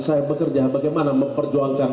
saya bekerja bagaimana memperjuangkan